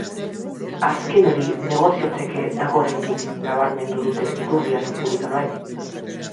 Azken hori negoziatzeke dago oraindik, nabarmendu dute iturri errepublikanoek.